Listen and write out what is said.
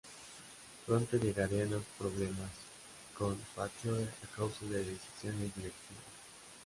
Pronto llegarían los problemas con Fat Joe a causa de decisiones directivas.